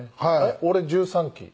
俺１３期。